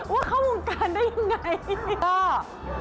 ว่าเข้าบงการได้ยังไง